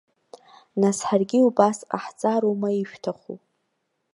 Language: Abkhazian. Нас ҳаргьы убас ҟаҳҵароума ишәҭаху?